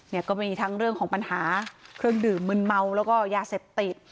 เนี่ยก็มีทั้งเรื่องของปัญหาเครื่องดื่มมืนเมาแล้วก็ยาเสพติด